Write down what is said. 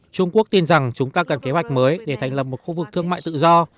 trung quốc tin rằng chúng ta cần kế hoạch mới để thành lập một khu vực thương mại tự do